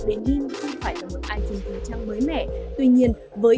denim không phải là một item thú trang mới mẻ tuy nhiên với